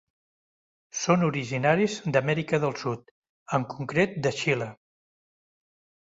Són originaris d'Amèrica del Sud, en concret de Xile.